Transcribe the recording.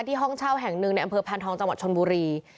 ห้องเช่าแห่งหนึ่งในอำเภอพานทองจังหวัดชนบุรี